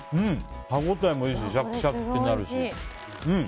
歯応えもいいしシャキシャキってなるし。